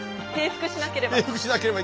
平伏しなければ。